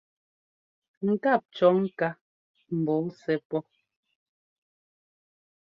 Ŋkáp cɔ̌ ŋká mbɔɔ sɛ́ pɔ́.